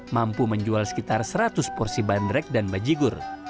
mampu menjual sekitar seratus porsi bandrek dan bajigur